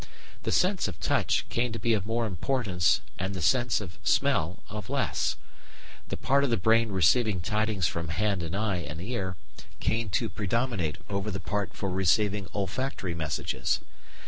The sense of touch came to be of more importance and the sense of smell of less; the part of the brain receiving tidings from hand and eye and ear came to predominate over the part for receiving olfactory messages.